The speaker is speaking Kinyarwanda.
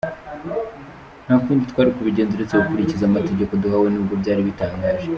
Nta kundi twari kubigenza uretse gukurikiza amategeko duhawe nubwo byari bitangaje.